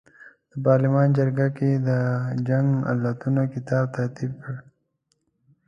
د پارلمان جرګه ګۍ د جنګ علتونو کتاب ترتیب کړ.